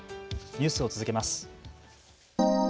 ニュースを続けます。